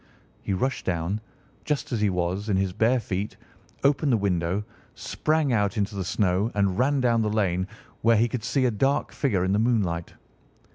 He rushed down, just as he was, in his bare feet, opened the window, sprang out into the snow, and ran down the lane, where he could see a dark figure in the moonlight.